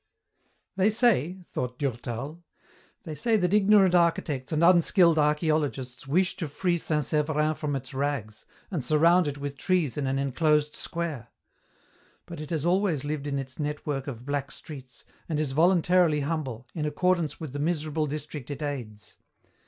" They say," thought Durtal, " they say that ignorant architects and unskilled archaeologists wish to free St. Severin from its rags, and surround it with trees in an enclosed square. But it has always lived in its network of black streets, and is voluntarily humble, in accordance with the miserable district it aids.